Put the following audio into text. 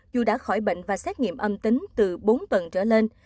dù đã khỏi bệnh và xét nghiệm âm tính từ bốn tuần trở lên